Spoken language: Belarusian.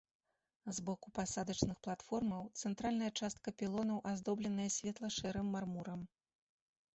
З боку пасадачных платформаў цэнтральная частка пілонаў аздобленая светла-шэрым мармурам.